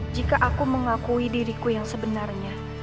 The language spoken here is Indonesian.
jika aku mengakui diriku yang sebenarnya